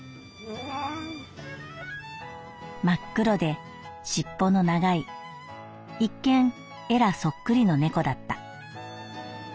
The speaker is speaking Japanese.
「真っ黒で尻尾の長い一見エラそっくりの猫だった」。